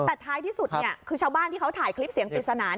แต่ท้ายที่สุดเนี่ยคือชาวบ้านที่เขาถ่ายคลิปเสียงปริศนา